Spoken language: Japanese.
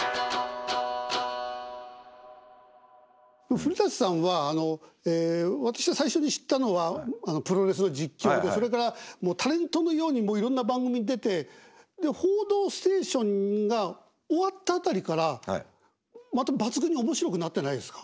古さんは私が最初に知ったのはプロレスの実況でそれからもうタレントのようにいろんな番組に出てで「報道ステーション」が終わった辺りからまた抜群に面白くなってないですか？